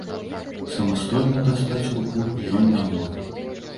Самастойна дастаць руку ён не мог.